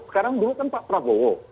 sekarang dulu kan pak prabowo